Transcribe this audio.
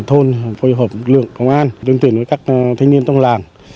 thôn phối hợp lượng công an đương tuyển với các thanh niên trong làng